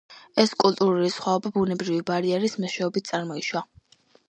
ეს კულტურული სხვაობა ბუნებრივი ბარიერის მეშვეობით წარმოიშვა.